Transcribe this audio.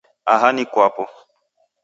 Aha ni kwapo